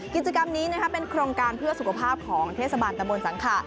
กิจกรรมนี้เป็นโครงการเพื่อสุขภาพของเทศบาลตะบนสังขะ